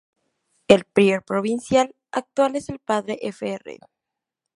El Prior Provincial actual es el Padre Fr.